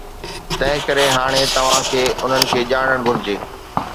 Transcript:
تنهنڪري هاڻي توهان کي انهن کي ڄاڻڻ گهرجي